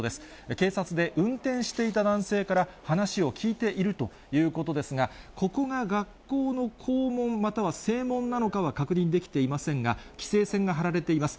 警察で運転していた男性から話を聴いているということですが、ここが学校の校門、または正門なのかは確認できていませんが、規制線が張られています。